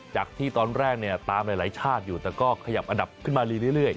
จากที่ตอนแรกเนี่ยตามหลายชาติอยู่แต่ก็ขยับอันดับขึ้นมารีเรื่อย